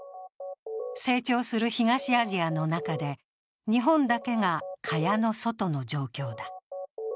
成長する東アジアの中で日本だけが蚊帳の外の状況だ。